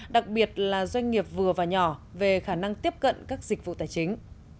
đặc biệt là doanh nghiệp vừa và nhỏ về khả năng tiếp cận các dịch vụ tài chính